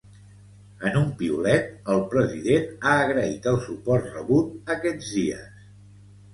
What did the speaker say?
En un piulet, el president ha agraït el suport rebut aquests dies.